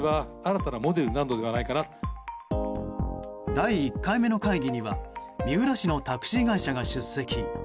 第１回目の会議には三浦市のタクシー会社が出席。